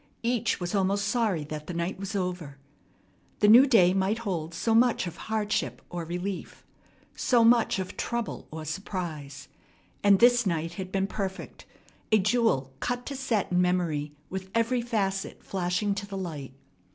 Each was almost sorry that the night was over. The new day might hold so much of hardship or relief, so much of trouble or surprise; and this night had been perfect, a jewel cut to set in memory with every facet flashing to the light.